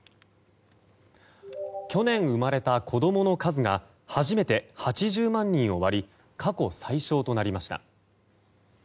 去年生まれた子供の数が初めて８０万人を割り過去最少となりました。